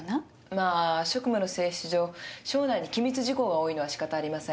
まあ職務の性質上省内に機密事項が多いのは仕方ありません。